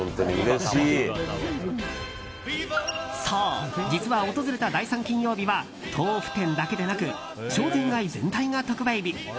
そう、実は訪れた第３金曜日は豆腐店だけでなく商店街全体が特売日。